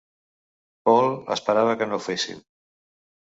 Paul esperava que ho fessin.